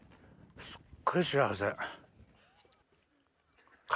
すっごい幸せ。